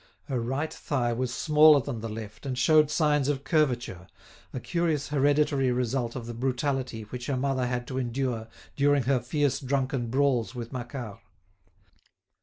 Her right thigh was smaller than the left and showed signs of curvature, a curious hereditary result of the brutality which her mother had to endure during her fierce drunken brawls with Macquart.